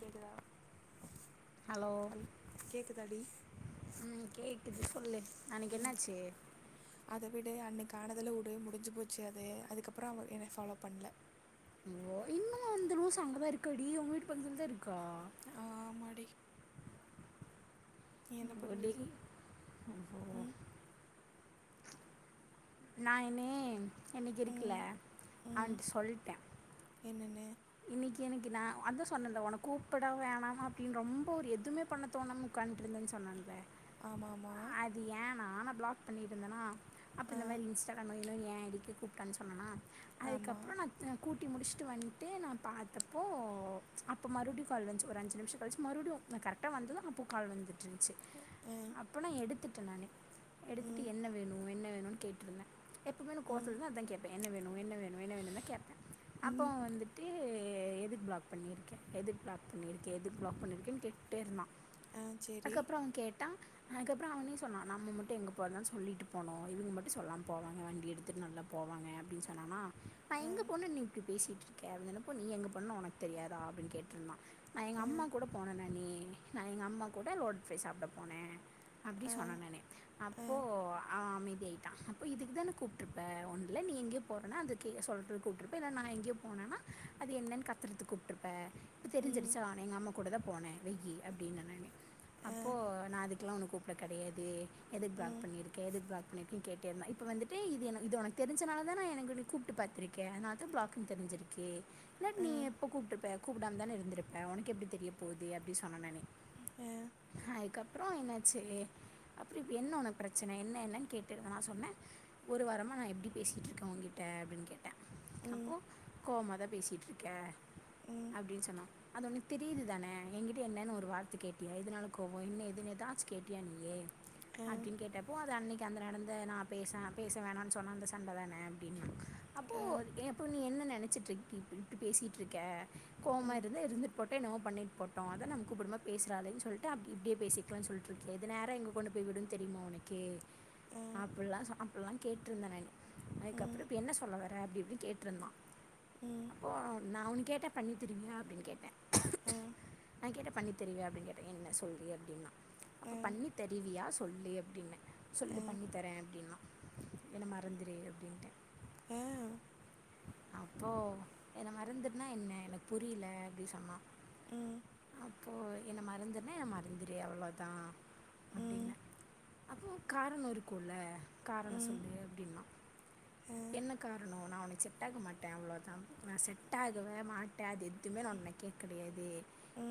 கேக்குதா ஹலோ ம் கேக்குது சொல்லு அன்னக்கி ம் என்னாச்சு அத விடு அன்னக்கு ஆனதுல வுடு முடிஞ்சு போச்சு அது அதுக்கப்பறோ அவே என்னய ஃபாலோ பண்ல ஓ இன்னமு அந்த லூசு அங்கதா இருக்காடி ஒங்க வீட்டு பக்கத்துலதா இருக்கா ஆமடி என்ன பண்றது டே ஓ ம் நா இனி என்னக்கி இருக்குல்ல ம் அவன்ட்ட சொல்டே என்னன்னு இன்னிக்கி எனக்கு நா அதா சொன்னேன்ல ஒன்ன கூப்டவா வேணாமா அப்டின்னு ரொம்ப ஒரு எதுமே பண்ண தோணாம உக்காண்ட்டுருந்தேன் சொன்னேன்ல ஆமா ஆமா இது ஏன்னா நா பிளாக் பண்ணி இருந்தனா அப்ப ஆ இந்த மாரி இன்ஸ்டால நொய் நொய்ன்னு ஏ எதுக்கு கூப்டான்னு சொன்னனா ஆமா அதுக்கப்பறோ நா கூட்டி முடிஷ்ட்டு வன் ட்டு நா பாத்தப்போ அப்போ மறுபடி கால் வந்ச்சு ஒரு அஞ்சு நிமிஷோ கழிச்சு மறுடியு நா கரக்டா வந்தது அப்போ கால் வந்துட்டு இருந்ச்சி ஆ அப்ப நா எடுத்துட்டே நானு எடுத்துட்டு ம் என்ன வேணு என்ன வேணுன்னு கேட்ருந்தே எப்பவுமே நா கோவத்துல ம் இருந்தா அதா கேப்பே என்ன வேணு என்ன வேணு என்ன வேணுன்தா கேப்பே அப்போ ம் வந்துட் டு எ துக் ப்ளாக் பண்ணிருக்க எதுக் ப்ளாக் பண்ணிரு கே எதுக் ப்ளாக் பண்ணிருக்கேன் கேட்டேருந்தா ஆ சேரி அதுக்கப்புறோ அவ கேட்டா அதுக்கப்றோ அவனே சொன்னா நம்ம மட்டு எங்க போறனாலு சொல்லிட்டு போனோ இவுங்க மட்டு சொல்லாம போவாங்க வண்டி எடுத்துட்டு நல்லா போவாங்க அப்டின் சொன்னானா நா ஆ எங்க போன நீ இப்டி பேசிட்டுருக்க அப்டின் சொன்னப்போ நீ எங்க போன ஒனக்கு தெரியாதா அப்டின்னு கேட்ருந்தா நா எங்க ஆ அம்மா கூட போன நானி நா எங்க அம்மா கூட லோடட்ப்ரை சாப்ட போன அப்டி ஆ சொன்ன நானு ஆ அப்போ அவ அமைதியாய்ட்டா இப்ப இதுக்குதான கூப்ட்ருப்ப ஒன்துல நீ எங்கியோ போறன்னா அதுக்கு சொல்றதுக் கூப்ட்றுப்ப இல்ல நா எங்கியோ அது என்னன் கத்தறதுக் கூப்டுருப்ப இப்ப ம் தெரிஞ்சிருச்சா எங்க அம்மா கூட தா போன வெய்யி அப்டின்ன நானு ஆ அப்போ நா அதுக்கலா ஒன்னு கூப்ட கெடையாது எதுக் ப்ளாக் ம் பண்ணிருக்க எதுக் ப்ளாக் பண்ணிருக்க கேட்டேருந்தா இப்ப வந்துட்டு இது எனக் இது ஒனக் தெரிஞ்சனாலதான எனக்கு நீ கூப்டு பாத்துருக்க அதனாலதா ப்ளாக்கு தெரிஞ்சிருக்கு இல்லாட் ஆ நீ எ ப்ப கூப்ட்றுப்ப கூப்டாம தான இருந்திருப்ப ஒனக்கெப்டி தெரிய போது அப்டி சொன்ன நானு அ அதுக்கப்றோ என்னாச்சி அப்றோ இப்ப என்ன ஒனக்கு பிரச்சன என்ன என்னன் கேட்டேருந்தா நா சொன்ன ஒரு வாரமா நா எப்டி பேசிட்ருக்க ஒகிட்ட அப்டின் கேட்ட ம் கோவமாதா பேசிட்டுருக்க ம் அப்டின் சொன்னா அது ஒனக்கு தெரியுதுதான எகிட்ட என்னனு ஒரு வார்த்த கேட்டியா எதுனால கோவோ என்ன ஏதுன் எதாச்சு கேட்டியா நீயி ஆ அப்டின் கேட்ட போ அது அன்னைக்கு அந்த நடந்த நா பேசன் பேச வேணான் சொன்ன அந்த சண்ட தான அப்டின்னா அப்போ ஆ அப்போ நீ என்ன நெனச்சிட்ருக் இப்டி பேசிட்ருக்க கோவமா ம் இருந்தா இருந்து போட்டு என்னவோ பண்ணிட்டு போட்டூ அதா நம்ம கூப்படும் போது பேசறாலேன் சொல்ட்டு அப்டி இப்டியே பேசிக்கலா சொல்ட்டு கெது நேரா எங்க கொண்டு போய் விடும் தெரியுமா உனக்கே ஆ அப்புல்லா அப்புல்லா கேட்டுருந்த நானு ம் அதுக்கப்புறோ இப்ப என்ன சொல்ல வர அப்டி இப்டி கேட்ருந்தா ம் நா ஒன்னு கேட்டா பண்ணி தருவியா அப்டின் கேட்ட ஆ நா கேட்டா பண்ணி தெரிவியா அப்டின் கேட்டன என்ன சொல்லு அப்டின்னா அப்போ பண்ணி தெருவியா சொல்லு அப்டின்ன சொல்லு பண்ணி தர அப்டின்னா என்ன மறந்துரு அப்டின்ட ஆ போ என்ன மறந்துர்னா என்ன எனக்கு புரில அப்டி சொன்னா ம் அப்போ என்ன மறந்துருனா என்ன மறந்துரு அவ்ளோதா அப்டின்ன அப்போ காரணோ இருக்குல்ல காரணோ சொல்லு அப்டின்னா என்ன காரணோ நா உனக்செ ட்டாக மாட்ட அவ்ளோதா நா செட்டா குவ மாட் ட அது எதுமே நா உன்ன கேக் கெடையாது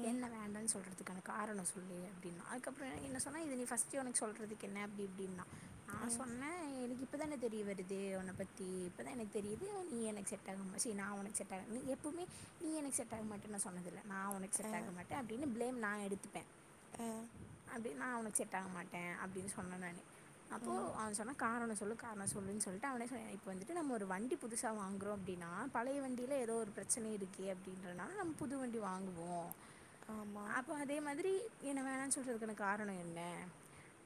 என்ன வேண்டான்னு சொல்றதுக்கான காரணோ சொல்லு அப்டின்னா அதுக்கப்றோ என்ன சொன்னா இது நீ ஃபஸ்ட்டே உனக்கு சொல்றதுக் கென்ன அப்டி இப்டின்னா நா சொன்ன எனிக்கி இப்பதான தெரிய வருது ஒன்னப்பத்தி இப்பதா எனக்கு தெரி நீ எனக்கு செட்டாகம ச்சீ நா உனக்கு செட்டாக நீ எப்பூமே நீ எனக்கு செட்டாக மாட்டனு நா சொன்னதுல்ல நா உனக் செட் ஆக மாட்ட அப்டின்னு பிளேம் நா எடுத்துப்ப அப்டி நா அவனுக் செட் டாக மாட்ட அப்டின்னு சொன்ன நானு அப்போ அவ சொன்னா காரணோ சொல்லு காரணோ சொல்றேன்னு சொல்ட்டு அவனே சொனா இப்ப வந்துட்டு நம்ம ஒரு வண்டி புதுசா வாங்குறோ அப்டீனா பழைய வண்டீல ஏதோ ஒரு பிரச்சன இருக்கே அப்டின்றனால நம்ம புது வண்டி வாங்குவோ ஆமாம் அப்போ அதே மாதிரி என்ன வேணானு சொல்றதுக்கான காரணோ என்ன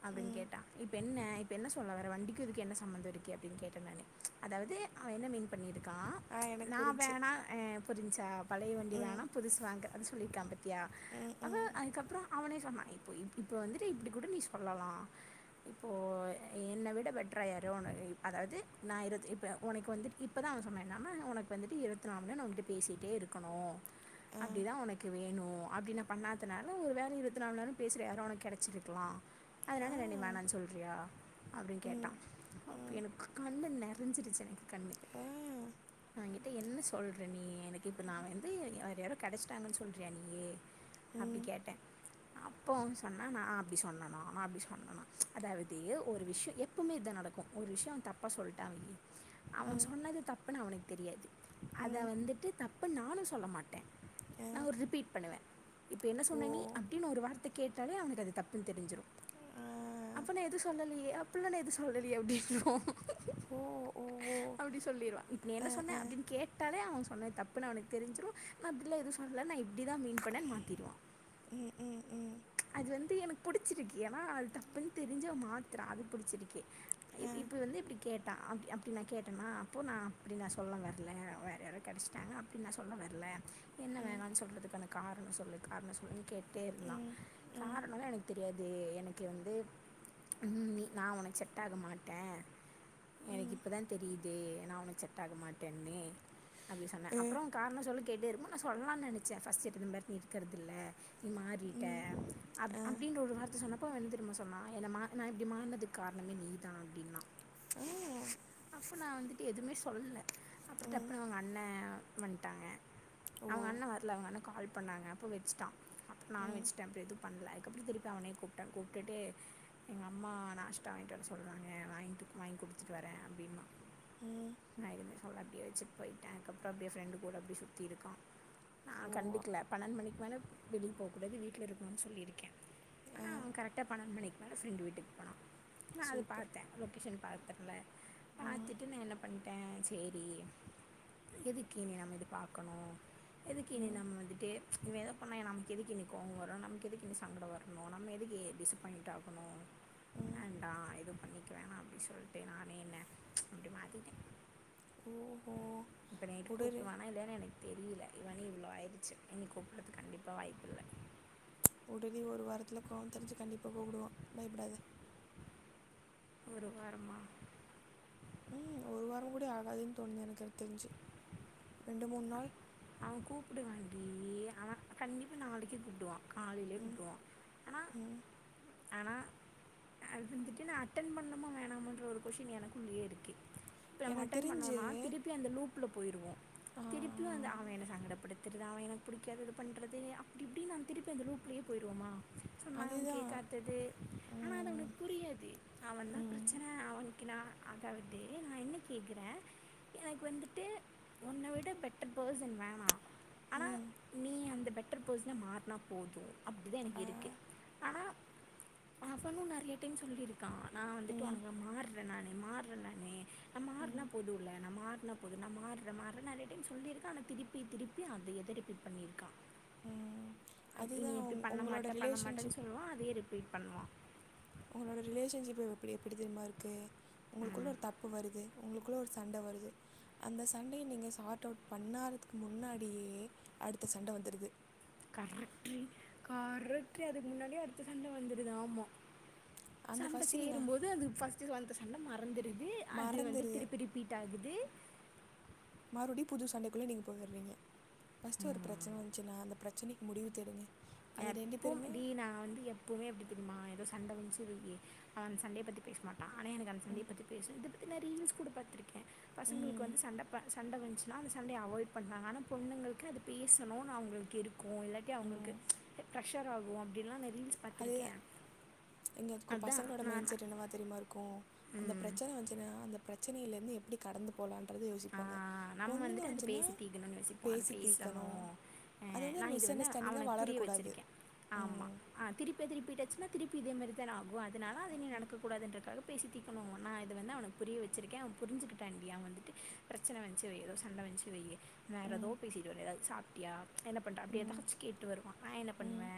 அப்டின்னு ம் கேட்டா இப்ப என்ன இப்போ என்ன சொல்ல வர வண்டிக்கூ இதுக்கூ என்ன சம்மந்தோ இருக்கு அப்டீன்னு கேட்ட நானு அதாவது அவ என்ன மீன் பண்ணீருக்கா ஆ ச் எனக்கு நா புரிஞ்சு வேணா புரிஞ்சா பழைய வண்டி ம் வேணா புதுசு வாங்கறனு சொல்லீருக்கா பாத்தியா ம் அவ ம் அதுக்கப்புறோ அவனே சொன்னா இப்போ இ இப்போ வந்துட்டு இப்டி கூட நீ சொல்லலா இப்போ என்ன விட பெட்ரா யாரையோ ஒன்னு அதாது நா இரு இப்போ உனக்கு வந்துட்டு இப்போதா அவ சொன்னா நா உனக்கு வந்துட்டு இருவத்நாலு மணி நேரோ நா உங்கிட்ட பேசிட்டே இருக்கணு ஆ அப்டிதா உனக்கு வேணூ அப்டி நா பண்ணாதனால ஒரு வேல இருவத்துநால் மண்நேரோ பேசற யாரோ ஒனக்கு கெடச்சிருக்கலா ஆ அதனால நீ என்ன வேணானு சொல்றியா அப்டின்னு கேட்டா ம் ம் எனக்கு கண்ணு நெறஞ்சிடுச்சு எனக்கு கண்ணு ஆ எங்கிட்ட என்ன சொல்ற நீ எனக்கு இப்போ நா வந்து வேற யாரோ கெடச்சிட்டாங்கன்னு சொல்றியா நீயி அப்டி ம் கேட்ட அப்போ அவ சொன்னா நா அப்டி சொன்னனா நா அப்டி சொன்னனா அதாவது ஒரு விஷ்ய எ எப்பமே இதா நடக்கு ஒரு விஷ்யோ அவன் தப்பா சொல்ட்டா வை அவன் ம் சொன்னது தப்புன்னு அவனுக்கு தெரியாது அத ம் வந்துட்டு தப்புனு நானூ சொல்ல மாட்ட ஆ நா ஒரு ரிபீட் பண்ணுவ இப்ப என்ன ஓ சொன்ன நீ அப்டின்னு ஒரு வார்த்த கேட்டாலே அவனுக்கு அது தப்புனு தெரிஞ்சிரு ஆ அப்ப நா எதுவு சொல்லலியே அப்பில்லா நா எது சொல்லலியே அப்டீன்ருவா ஓ ஓ ஓ அப்டி சொல்லீருவா இப்ப நீ என்ன ஆ சொன்ன ஆ அப்டின் கேட்டாலே அவ சொன்னது தப்புன்னு அவனுக் தெரிஞ்சிரு நா அப்டிலா எது சொல்ல நா இப்படிதா மீன் பண்ணன்னு மாத்திருவா ம் ம் ம் அது வந்து எனக்கு புடிச்சிருக்கு ஏன்னா அது தப்புன் தெரிஞ்சு அவ மாத்தரா அது புடிச்சிருக்கு ஆ துவந்து இப்டி கேட்டா அப்டிஅப் அப்டி நா கேட்டன்னா அப்போ நா அப்டி நா சொல்ல வர்ல வேற யாரோ கெடச்ட்டாங்க அப்டி நா சொல்ல வர்ல என்ன ம் வேணானு சொல்றதுக்கான கார்னோ சொல்லு கார்னோ சொல்லுனு கேட் டே இருந்தா ம் ம் காரனோ எனக்கு தெரியாத் து எனக்கு வந்து ம் நி நா உனக் செட்டாக மாட்ட எனக்கு ம் இப்பதா தெரீ து நா உனக் செட் ஆக மாட்டன்னு அப்டி சொன்ன ஆ அப்பறோ காரணோ சொல்லு எது எருமோ நா சொல்லானு நெனச்ச ஃபஸ்ட் [unintelligible] நீ இருக்கறதில்ல நீ மாறீட்ட ம் அப் ஆ அப்டீன்ற ஒரு வார்த்த சொன்னா ப்ப வந்துரும்மா சொன்னா என்ன மா நா இப்டி மாற்னதுக் காரணமே நீதா அப்டீன்னா ம் அப்ப நா வந்துட்டு எதுமே சொல்ல அப்புற ம், டப்புன்னு அவுங்கண்ண வந்ட்டாங்க ஓ அவுங்க அண்ண வர்ல அவுங்க அண்ண கால் பண்ணாங்க அப்போ வெச்ட்டா அப்போ நானூ ம், வெச்ட்ட அப்றோ எது பண்ல அதுக்கப்படி திருப்பி அவனே கூப்டா கூப்டுட்டு எங்க அம்மா நாஷ்டா வாங்கிட்டு வர சொல்றாங்க வாங்கிட்டு வாங்கி குடுத்துட்டு வர அப்டீன்னா ம் நா எதுமே சொல்ல அப்டியே வெச்சிட்டு போயிட்ட அதுக்கப்பற அப்டியே ஃப்ரெண்டு் கூட அப்டியே சுத்திருக்கான் நா ஓ கண்டுக்ல பன்னெண்டு மணிக்கு மேல வெளிய போக்கூடாது வீட்ல இருக்கனுன்னு சொல்லிருக்க ஆனா ஆ, அவன் கரெக்டா பன்னெண்டு மணிக்கு மேலே ஃப்ரெண்டு வீட்டுக்கு போனான் நா அத சூப்பர் பாத்த லொகேஷன் பாத்திருந்த ம், பாத்துட்டு நா என்ன பண்டே சேரி எதுக்கு இனி நம்ம இத பாக்கணோ எதுக்கு இனி ம், நம்ம வந்துட்டு இவ எதா பண்ணா நமக்கு எதுக்கு இனி கோவோ வரு நமக்கு எதுக்கு இனி சங்கட வர்ணு நம்ம எதுக்கு டிசப்பாயிண்ட் ஆகணோ ம், வேண்டா எது பண்ணிக்க வேணா அப்டி சொல்ட்டு நானே என்ன இப்டி மாத்திட்ட ஓ ஓ இப்ப நைட்டு உடரு கூப்டுவானா இல்லயானு எனக் தெரில மணி இவ்ளோ ஆயிடுச்சு இனி கூப்டறத்துக்கு கண்டிப்பா வாய்ப்பில்ல உடனே ஒரு வாரத்துல கோவோ தெளிஞ்சு கண்டிப்பா கூப்டுவா பயப்படாத ஒரு வாரமா ம் ஒரு வாரோ கூட ஆகாதுன் தோணுது எனக்கு அது தெரிஞ்சு ரெண்டு மூன் நாள் அவ கூப்டுவாண்டி அவ கண்டிப்பா நாளிக்கே கூப்டுவா காலைலயே ம் கூப்டுவா அனா ம் அனா அது வந்துட்டு நா அட்டன் பண்ணுமா வேணாமான்ற ஒரு கொஷ்டின் எனக்குள்ளயே இருக்கு இப்ப நம்ம எனக்கு அட்டன் தெரிஞ்சு பண்ணோனா திருப்யு அந்த லூப்ல போயிருவோ ஆ, திருப்பியோ வந்து அவ என்ன சங்கடப்படுத்தறத் தா அவ எனக் புடிக்காதது பண்றது அப்டி இப்டி நா திருப்பி அந்த லூப்லியே போயிருவோமா சொன்னாங்னா அதுதான் கேக்காதது ஆனா அது ம் அவனுக் புரியாது அவதா ம் பிரச்சன அவ கினா ஆதாவது நா என்ன கேக்குற எனக்கு வந்துட்டு உன்ன விட பெட்டர் பேர்சன் வேணா ம் நீ அந்த பெட்டர் பேர்சனா மாறுனா போது அப்டிதா எனக் ஆ இருக்கு ஆனா அவனு நறையா டைம் சொல்லிருக்கா நா வந்துட்டு ம் உனக்கா மாற்றே நானு மாற்றே நானு நா மாறுனா ம் போதுல நா மாறுனா போது நா மாற்றே மாற்றே நறைய டைம் சொல்லிரு ஆன திருப்பி திருப்பி அதேதா ரிபீட் பண்ணிருக்கா ம் இனி அதுதான் இப்டி உங் பண்ண உங்களோட மாட்ட பண்ண ரிலேஷன்ஷிப் மாட்டன் சொல்லுவா அதையே ரிப்பீட் பண்ணுவா உங்களோட ரிலேஷன்ஷிப் இப்ப எப்டி எப்டி தெரிமா இருக்கு உங்குளுக்குள்ள ம் ஒரு தப்பு வருது உங்குளுக்குள்ள ஒரு சண்ட வருது அந்த சண்டய நீங்க சார்ட் அவுட் பண்ணாததுக்கு முன்னாடியே அடுத்த சண்ட வந்துருது கரெக்ட்ரி கரெக்ட்ரி அதுக்கு முன்னாடியே அடுத்த சண்ட வந்துருது ஆமா அந்த சண்ட ஃபஸ்ட்டு நீங்கள் சேரும்போது அது ஃபஸ்ட்டு வந்த சண் நல்லா மறந்துருது அது வந்து மறந்துடு திருப்பி ரிப்பீட் ஆகுது மறுபுடியு புது சண்டைக்குள்ள நீங்க போயறீங்க ஃபஸ்ட்டு ஒரு ம், பிரச்சன வந்ச்சுனா அந்த ப்ரச்சனைக்கு முடிவு தேடுங்க நா அது ரெண்டு எப்போவும் பேருமே டி நா வந்து எப்பவுமே எப்டி தெரியுமா எதோ சண்ட வந்ச்சுன்வையி அவ அந்த சண்டய பத்தி பேச மாட்டா ஆனா எனக்கு அந்த சண்டய பத்தி பேச இதபத்தி நா ரீல்ஸ் கூட பாத்துருக்கே பசங்களுக்கு ம், வந்து சண்ட ப சண்ட வந்ச்சுனா அந்த சண்டய அவாய்ட் பண்றாங்க ஆனா பொண்ணுங்களுக்கு அது பேசணூனு அவுங்களுக்கு இருக் கு இல்லாட்டி அவுங்குளுக்கு ம், ப்ரெஷர் ஆகு அப்டிலா நா ரீல்ஸ் அதேதா பார்த்துருக்கேன் எங்க அதுக்கு அதான் பசங்ளோட மைண் நான் செட் என்னவா தெரியுமா இருக் கு அந்த ம், ப்ரச்சன வந்ச்சுனா அந்த ப்ரச்சனைல இருந்து எப்புடி கடந்து போலான்றது ஆ யோசிப்பாங்க நம்ம பொண்ணுங்க வந்துட்டு அது வந்ச்சுன்னா பேசி தீக்கணும்னு யோசிப்போம் அது பேசி தீ்க்கணோ பேசணும் ஆ, அது வந்து ஒரு மிஸ் அண்டர்ஸ்டாண்டிங்கா வளரக்கூடா து ஆமா ஆ திருப்பி திருப்பி ரிபீட்டாச்சுனா திருப்பி இதே மாரிதான ஆகு அதனால அது நீ நடக்க கூடாதுன்றக்காக பேசி தீக்கணோம் நா இதுலருந்து அவனுக் புரிய வெச்சிருக்க அவ புரிஞ்சுக்குட்டான் டி அவ வந்துட்டு ப்ரச்சன வந் செரி எதோ சண்ட வந்ச்சு வையி வேற எதோ ம் பேசிட்டு வர்றது சாப்டியா என்ன பண்ற ம் அப்டியேதாச்சு கேட்டு வருவா நா என்ன ம் பண்ணுவே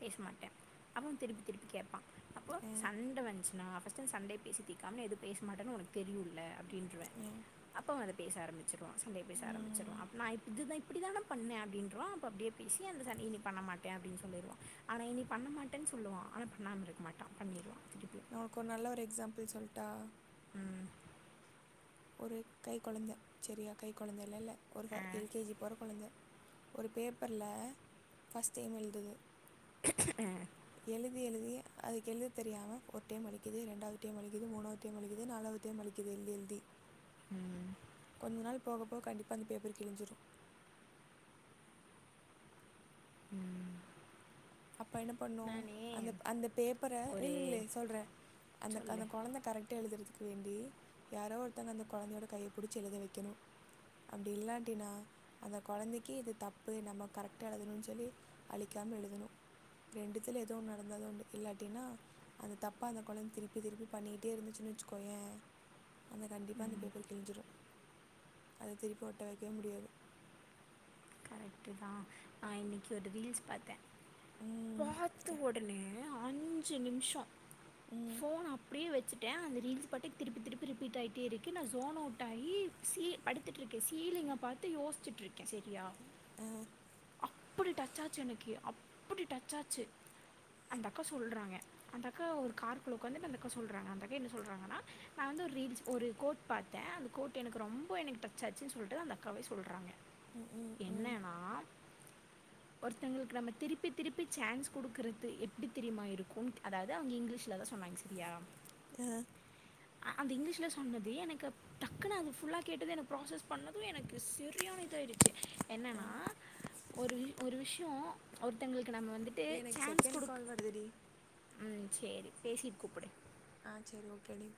பேச மாட்ட அப்ப அவ திருப்பி திருப்பி கேப்பா அப்போ ஏ சண்ட வந்ச்சுனா ஃபஸ்ட்டு அந்த சண்டய பேசி தீ்காம நா எது பேச மாட்டேன் உனக்கு தெரியுல அப்டின்றுவே ஏ அப்போ அத பேச ஆரமிச்சுருவா சண்டய பேச ஆரமிச்சுருவா ம் அப்போ நா இதுதா இப் அப்டிதான பண்ணே அப்டின்றுவான் அப்ப அப்டியே பேசி அந்த சண்டய இனி பண்ண மாட்ட அப்டின்னு சொல்லிருவான் ஆனா இனி பண்ணமாட்டன்னு சொல்லுவான் ஆனா பண்ணாம இருக்க மாட்டான் பண்ணிருவான் திருப்பியு ஒனக்கு ஒரு நல்ல ஒரு எக்ஸாம்பிள் சொல்ட்டா ம் ஒரு கை கொழந்த செரியா கை கொழந்தயல்ல இல்ல ஒரு ஆ எல் கே ஜி போற கொழந்த ஒரு பேப்பர்ல ஃபர்ஸ்ட் டைம் எழுதுது ஹ் அஹ் எழுதி எழுதி அதுக்கு எழுத தெரியாம ஒரு டைம் அழிக்குது ரெண்டாவது டைம் அழிக்குது மூணாவது டைம் அழிக்குது நாலாவது டைம் அழிக்குது எழ்தி எழ்தி ம் கொஞ்ச நாள் போக போக கண்டிப்பா அந்த பேப்பர் கிழிஞ்சிரு ம் அப்ப என்ன பண்ணு நானே அந்த அந்த பேப்பர ஒரு நில்லு நில்லு சொல்ற அந்த சொல்லு அந்த கொழந்த கரெ க்ட்டா எழுதறதுக்கு வேண்டி யாரோ ஒருத்தங்க அந்த கொழந்தயோட கைய புடிச்சு எழுத வெக்கணு அப்டி இல்லாட்டினா அந்த குழந்தக்கி இது தப்பு நம்ம கரெக்டா எழுதணுனு சொல்லி அளிக்காம எழுதனு ரெண்டுத்துல எதோ ஒன்னு நடந்தாதா உண்டு இல்லாட்டினா அந்த தப்பா அந்த கொழந்த திருப்பி திருப்பி பண்ணிட்டே இருந்துச்சுனு வெச்சுக்கோயேன் அந்த கண்டிப்பா அந்த பேப்பரு கிளிஞ்சிரு அத திருப்பி ஒட்ட வெக்கவே முடியாது தா நா இன்னைக்கு ஒரு ரீல்ஸ் பாத்த ம் பாத்த ஏ ஒடனே அஞ்சு நிமிஷோ ம் ஃபோன அப்டியே வெச்சுட்ட அந்த ரீல்ஸ் பாட்டுக்கு திருப்பி திருப்பி ரிப்பீட் ஆயிட்டே இருக்கு நா சோன் அவுட் ஆயி சி படுத்துட்டுருக்க சீலிங்க பாத்து யோசிச்சிட்டுருக்க சரியா ஆ அப்டி டச்சாச்சு அன்னக்கி அப்டி டச்சாச்சு அந்த அக்கா சொல்றாங்க அந்த அக்கா ஒரு கார்க்குள்ள உக்காந்தினு அந்தக்கா சொல்றாங்க அந்த அக்கா என்ன சொல்றாங்கன்னா நா வந்து ஒரு ரீல்ஸ் ஒரு கோ பாத்த அந்த கோட்டு எனக்கு ரொம்ப எனக்கு டச்சாச்சுன்னு சொல்ட்டு அந்த அக்காவே சொல்றாங்க ம் ம் ம் என்னனா ஒருத்தங்களுக்கு நம்ம திருப்பி திருப்பி சான்ஸ் குடுக்கறது எப்டி தெரிமா இருக்கு அதாவது அவுங்க இங்கிலீஷ்லதா சொன்னாங்க சரியா அ அந்த இங்கிலீஷ்ல சொன்னது எனக்கு டக்குன்னு அது ஃபுல்லா கேட்டது என்ன ப்ராசஸ் பண்ணது எனக்கு செரியான இதாயிடுச்சு என்ன அ ஒரு ஒரு விஷ்யோ ஒருத்தங்களுக்கு நம்ம வந்து ட்டு எனக்கு சான்ஸ் செகண்ட் குடுக்கு கால் வருதுடி ம் சேரி பேசிட்டு கூப்டு ஆ சேரி ஓகே டி